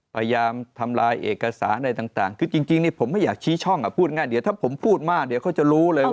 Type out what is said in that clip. พยายามทำลายเอกสารอะไรต่างคือจริงผมไม่อยากชี้ช่องพูดง่ายเดี๋ยวถ้าผมพูดมากเดี๋ยวเขาจะรู้เลยว่า